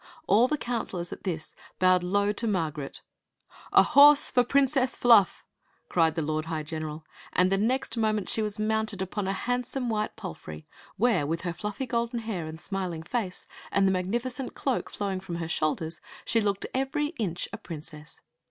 All the coun selors, at this, bowed low to Margaret " A horse for the Princess Fluff! " cried the lord high general; and the next moment she was mounted upon a handsome white palfrey, where, with her fluffy golden hair and smiling face and the magnificent cloak flowing from her shoul ders, she looked every inch a prin cess.